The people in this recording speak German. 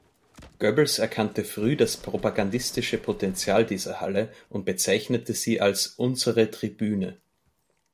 Goebbels erkannte früh das propagandistische Potential dieser Halle und bezeichnete sie als „unsere Tribüne“.